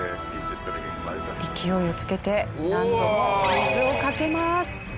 勢いをつけて何度も水をかけます。